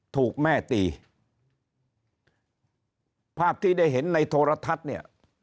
ถูกแม่ตีภาพที่ได้เห็นในโทรทัศน์เนี่ย